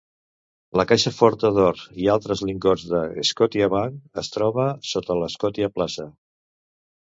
La caixa forta d'or i altres lingots de Scotiabank es troba sota Scotia Plaza.